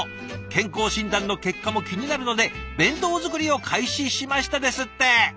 健康診断の結果も気になるので弁当作りを開始しました」ですって。